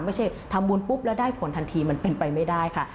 ไม่ใช่ทำบุญปุ๊บแล้วได้ผลทันทีมันเป็นไปไม่ได้ค่ะ